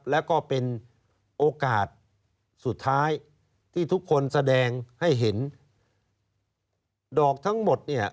แล้วก็เป็นโอกาสสุดท้ายที่ทุกคนแสดงให้เห็นดอกทั้งหมดเนี่ย